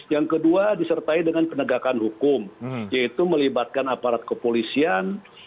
yang kedua disertai dengan penegakan hukum yaitu melibatkan aparat kepolisian